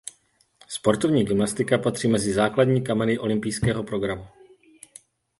Sportovní gymnastika patří mezi základní kameny olympijského programu.